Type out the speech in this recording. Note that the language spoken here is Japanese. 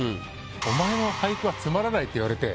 「お前の俳句はつまらない！」って言われて。